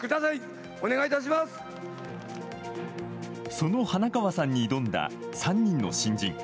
その花川さんに挑んだ３人の新人。